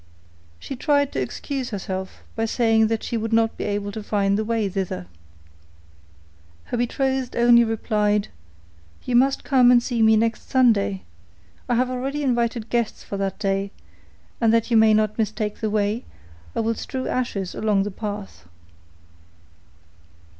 She tried to excuse herself by saying that she would not be able to find the way thither. Her betrothed only replied, 'You must come and see me next Sunday; I have already invited guests for that day, and that you may not mistake the way, I will strew ashes along the path.